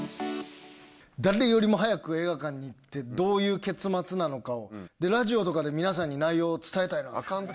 誰よりも早く映画館に行って、どういう結末なのかを、ラジオとかで皆さんに内容を伝えたいなって。